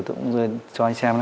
tôi cũng cho anh xem